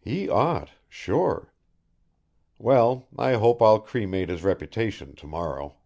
"He ought, sure. Well, I hope I'll cremate his reputation to morrow."